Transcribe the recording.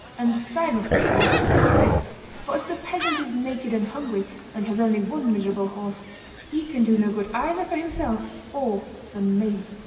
"And fairness, of course," he added, "for if the peasant is naked and hungry and has only one miserable horse, he can do no good either for himself or for me."